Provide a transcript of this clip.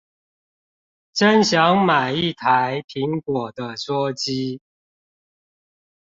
真想買一台蘋果的桌機